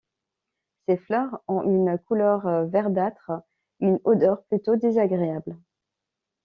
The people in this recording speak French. Ses fleurs ont une couleur verdâtre et une odeur plutôt désagréable.